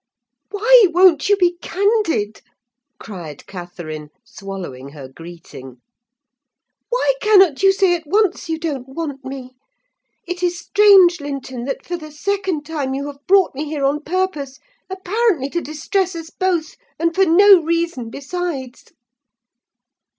"Why won't you be candid?" cried Catherine, swallowing her greeting. "Why cannot you say at once you don't want me? It is strange, Linton, that for the second time you have brought me here on purpose, apparently to distress us both, and for no reason besides!"